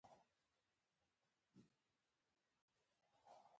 سړک باید خوندي وي.